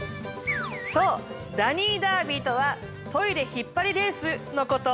そうダニーダービーとはトイレ引っ張りレースのこと。